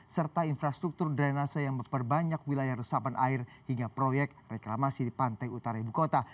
serta infrastruktur drainase yang memperbanyak wilayah resapan air hingga proyek reklamasi di pantai utara ibu kota